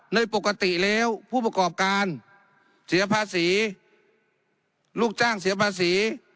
ในปกติแล้วผู้ประกอบการเสียภาษีลูกจ้างเสียภาษี